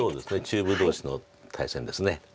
中部同士の対戦ですね。